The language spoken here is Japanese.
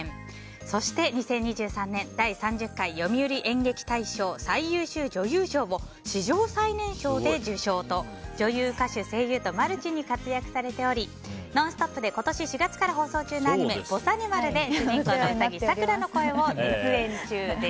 そして２０２３年、第３０回読売演劇大賞最優秀女優賞を史上最年少で受賞と女優、歌手、声優とマルチに活躍されており「ノンストップ！」で今年４月から放送中のアニメ「ぼさにまる」でうさぎ、さくらの声を熱演中です。